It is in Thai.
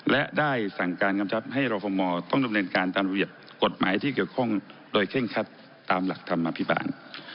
และได้สั่งการกำชับให้รอฟมต้องดำเนินการตามระเบียบกฎหมายที่เกี่ยวข้องโดยเคร่งคัดตามหลักธรรมอภิบาล